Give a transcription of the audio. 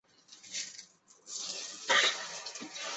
市境大地构造属扬子准地台上扬子台褶带。